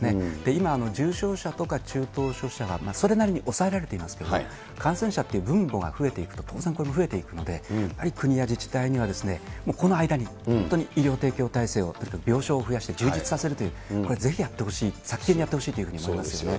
今、重症者とか中等症者はそれなりに抑えられていますけれどもね、感染者って分母が増えていくと、当然これも増えていくので、やはり国や自治体には、もうこの間に、本当に医療提供体制を病床を増やして、充実させるという、これぜひやってほしい、早急にやってほしいということになりますよね。